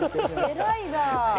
偉いなあ。